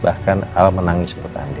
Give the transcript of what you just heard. bahkan al menangis menurut andin